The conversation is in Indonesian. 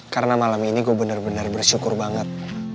karena malam ini gue bener bener bersyukur banget